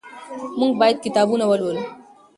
موږ باید کتابونه ولولو.